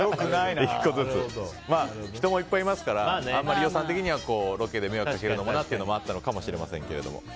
人もいっぱいいますから飯尾さん的にはロケで迷惑をかけたくないというのがあったのかもしれません。